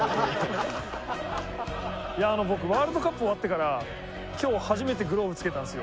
僕ワールドカップ終わってから今日初めてグローブ着けたんですよ